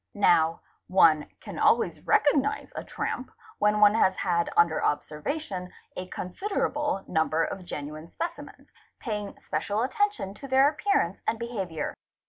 Now one can always recognise a tramp, when one has had under observation a considerable number of genuine specimens, paying | special attention to their appearance and behaviour.